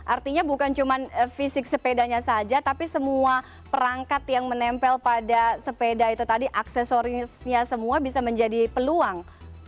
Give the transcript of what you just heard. artinya bukan cuma fisik sepedanya saja tapi semua perangkat yang menempel pada sepeda itu tadi aksesorisnya semua bisa menjadi peluang